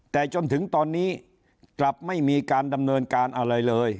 แต่จนถึงตอนนี้กลับไม่มีการดำเนินการอะไรเลย